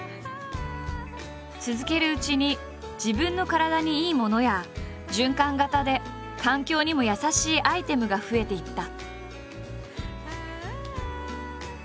続けるうちに自分の体にいいものや循環型で環境にも優しいアイテムが増えていった。